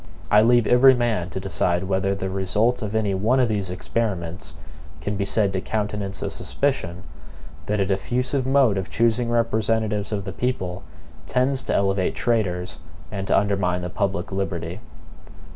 I leave every man to decide whether the result of any one of these experiments can be said to countenance a suspicion, that a diffusive mode of choosing representatives of the people tends to elevate traitors and to undermine the public liberty.